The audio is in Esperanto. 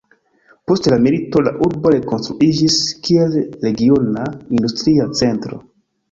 Post la milito la urbo rekonstruiĝis kiel regiona industria centro.